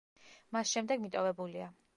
მას შემდეგ მიტოვებულია.